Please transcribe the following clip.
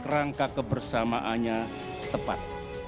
rangka kebersamaannya tepat